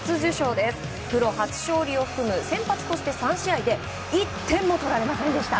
プロ初勝利を含む先発として３試合で１点も取られませんでした。